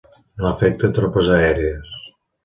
No afecta tropes aèries.